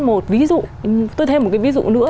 một ví dụ tôi thêm một cái ví dụ nữa